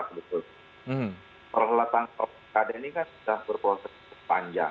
perlatangan pilkada ini kan sudah berproses panjang